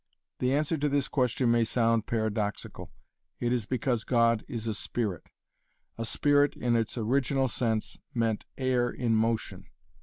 The answer to this question may sound paradoxical. It is because God is a spirit. A spirit in its original sense meant air in motion.